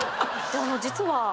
実は。